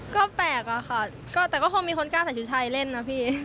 ก็แปลกอะค่ะก็แต่ก็คงมีคนกล้าใส่ชุดชายเล่นนะพี่